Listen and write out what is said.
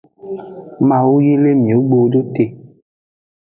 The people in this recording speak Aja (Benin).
Mawu yi le miwogbewo do te.